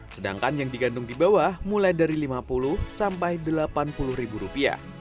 sedangkan yang digantung di bawah mulai dari rp lima puluh sampai rp delapan puluh